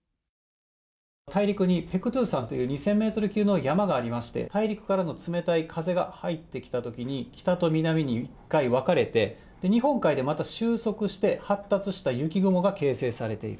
大陸にペクトゥサンという２０００メートル級の山がありまして、大陸からの冷たい風が入ってきたときに、北と南に一回分かれて、日本海でまた収束して、発達した雪雲が形成されている。